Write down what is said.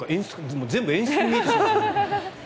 全部演出に見えてしまう。